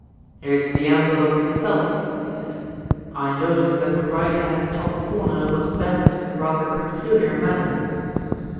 "It's the envelope itself," he said. "I noticed that the right hand top corner was bent in rather a peculiar manner."